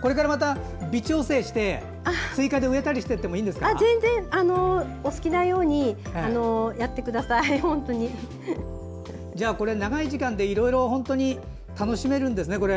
これからまた微調整して追加で植えたりしてもお好きなようにじゃあ、長い時間でいろいろ本当に楽しめるんですね